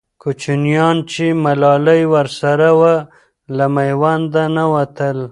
کوچیان چې ملالۍ ورسره وه، له میوند نه ووتل.